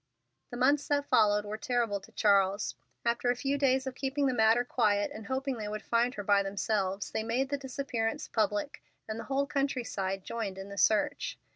The months that followed were terrible to Charles. After a few days of keeping the matter quiet and hoping they would find her by themselves, they made the disappearance public, and the whole countryside joined in the search.